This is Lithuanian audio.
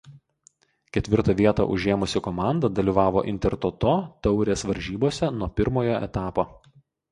Ketvirtą vietą užėmusi komanda dalyvavo Intertoto taurės varžybose nuo pirmojo etapo.